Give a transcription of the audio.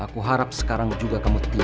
aku harap sekarang juga kamu tidak